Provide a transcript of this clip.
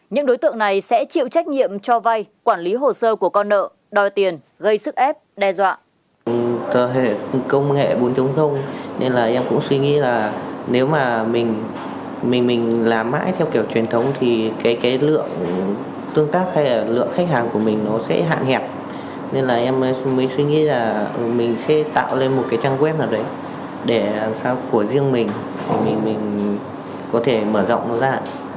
những đối tượng này sẽ chịu trách nhiệm cho vay quản lý hồ sơ của con nợ đòi tiền gây sức ép đe dọa